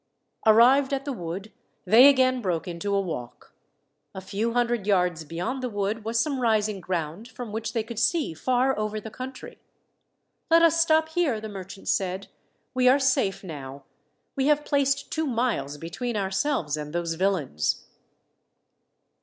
Arrived at the wood, they again broke into a walk. A few hundred yards beyond the wood was some rising ground, from which they could see far over the country. "Let us stop here," the merchant said. "We are safe now. We have placed two miles between ourselves and those villains."